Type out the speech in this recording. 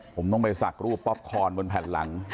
ผมต้องไปสักรูปป๊อปคอนบนแผ่นหลัง